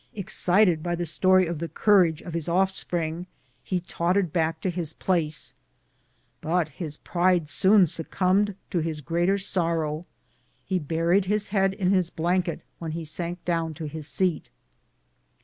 Excited by the story of the courage of his offspring, he tottered back to his place, but his pride soon succumbed to his greater sorrow ; he buried his head in his blanket when he sank down to his seat.